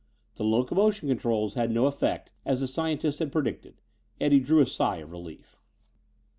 The locomotion controls had no effect, as the scientist had predicted. Eddie drew a sigh of relief.